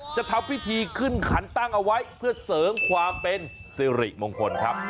จะทำพิธีขึ้นขันตั้งเอาไว้เพื่อเสริมความเป็นสิริมงคลครับ